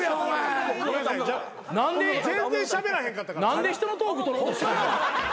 何で人のトーク取ろうとしてんの？